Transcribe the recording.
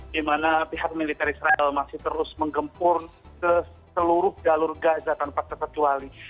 di mana pihak militer israel masih terus menggempur ke seluruh jalur gaza tanpa terkecuali